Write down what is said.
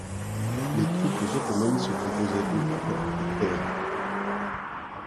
Les troupes ottomanes se composaient de dans de guerre.